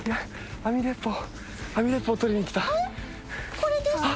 これですか？